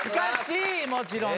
もちろん。